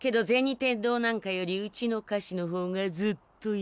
天堂なんかよりうちのお菓子のほうがずっといいよ。